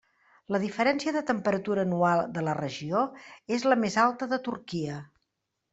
La diferència de temperatura anual de la regió és la més alta de Turquia.